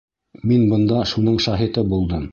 Мин бына шуның шаһиты булдым.